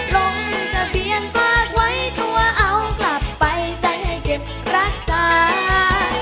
ลงทะเบียนฝากไว้ตัวเอากลับไปใจให้เก็บรักษา